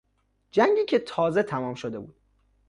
جنگی که تازه تمام شده بود